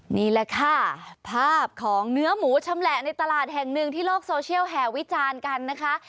นี่แหละค่ะภาพของเนื้อหมูชำแหละในตลาดแห่งหนึ่งที่โลกโซเชียลแห่วิจารณ์กันนะคะ